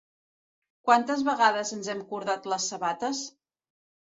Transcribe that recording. Quantes vegades ens hem cordat les sabates?